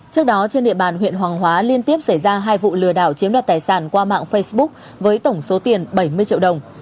trước đó trên địa bàn huyện hoàng hóa liên tiếp xảy ra hai vụ lừa đảo chiếm đoạt tài sản qua mạng facebook với tổng số tiền bảy mươi triệu đồng